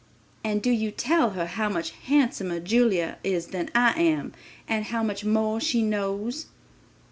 And do you tell her how much handsomer Julia is than I am, and how much more she knows?"